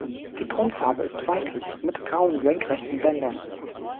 Die Grundfarbe ist weißlich mit grauen, senkrechten Bändern.